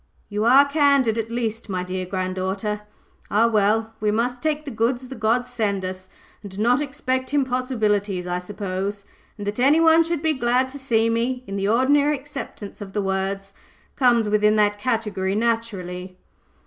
"You are candid, at least, my dear granddaughter. Ah, well! we must take the goods the gods send us, and not expect impossibilities, I suppose! And that any one should be glad to see me, in the ordinary acceptation of the words, comes within that category, naturally."